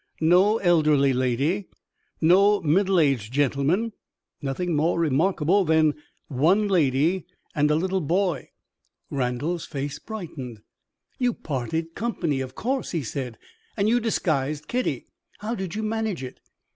No elderly lady, no middle aged gentleman; nothing more remarkable than one lady and a little boy." Randal's face brightened. "You parted company, of course," he said; "and you disguised Kitty! How did you manage it?"